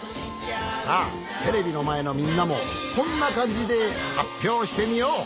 さあテレビのまえのみんなもこんなかんじではっぴょうしてみよう。